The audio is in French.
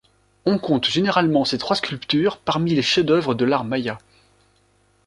On compte généralement ces trois sculptures parmi les chefs-d'œuvre de l'art maya.